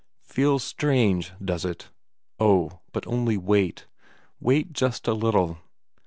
Feels strange, does it? Oh, but only wait, wait just a little.